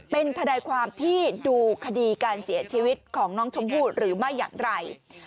เป็นทนายความที่ดูคดีการเสียชีวิตของน้องชมพู่หรือไม่อย่างไร